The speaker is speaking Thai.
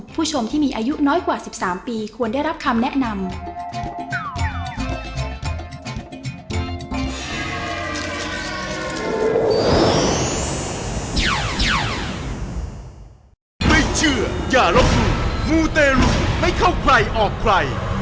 ผู้ชมที่มีอายุน้อยกว่า๑๓ปีควรได้รับคำแนะนำ